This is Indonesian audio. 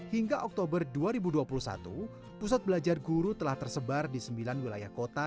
hingga oktober dua ribu dua puluh satu pusat belajar guru telah tersebar di sembilan wilayah kota